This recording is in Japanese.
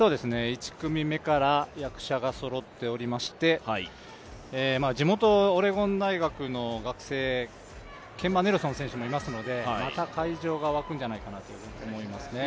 １組目から役者がそろっておりまして、地元オレゴン大学の学生、ケンバ・ネルソン選手もいますので、また会場が沸くんじゃないかなと思いますね。